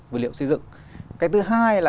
vật liệu xây dựng cái thứ hai là